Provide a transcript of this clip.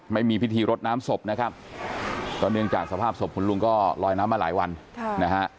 ไม่มีพิธีรดน้ำศพนะครับก็เนื่องจากสภาพศพคุณลุงก็ลอยน้ำมาหลายวันนะฮะ